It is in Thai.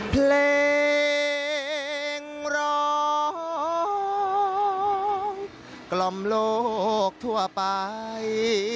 เพลงร้องกล่อมโลกทั่วไป